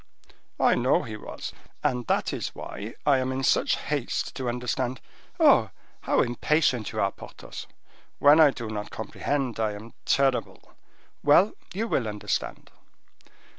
"I know he was; and that is why I am in such haste to understand—" "Oh! how impatient you are, Porthos." "When I do not comprehend, I am terrible." "Well, you will understand.